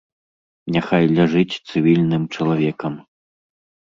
Няхай ляжыць цывільным чалавекам.